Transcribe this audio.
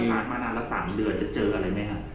ว่าผ่านมานานหลัก๓เดือนมึงจะเจอยังอะไรไหมครับ